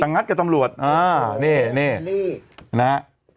ต่างัดกับตำรวจอ้าวเนี้ยเนี้ยนี่นะฮะ